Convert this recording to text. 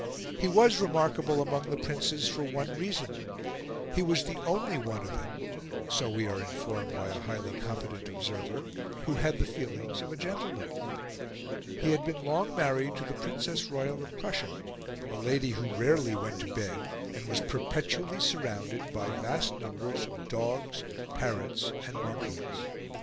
He was remarkable among the princes for one reason: he was the only one of them so we are informed by a highly competent observer who had the feelings of a gentleman. He had been long married to the Princess Royal of Prussia, a lady who rarely went to bed and was perpetually surrounded by vast numbers of dogs, parrots, and monkeys.